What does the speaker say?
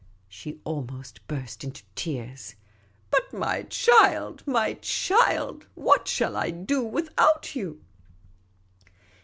She almost burst into tears. " But, my child, my child, what shall I do without you